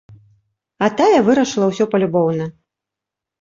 А тая вырашыла ўсё палюбоўна.